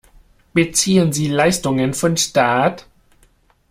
Beziehen sie Leistungen von Staat?